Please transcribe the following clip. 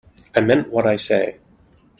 I mean what I say.